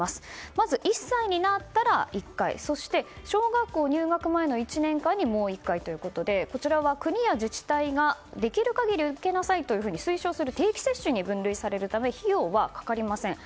まず１歳になったら１回そして小学校入学前の１年間にもう１回ということでこちらは、国や自治体ができる限り受けなさいと推奨する定期接種に分類されるため費用は掛かりません。